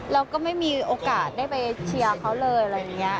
เราก็ไม่มีโอกาสได้ไปเชียร์เขาเลยอะไรอย่างนี้